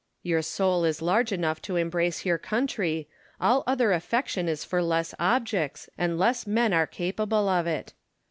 Your soul is large enough to embrace your country : all other affection is for less objects, and less men are capable of it.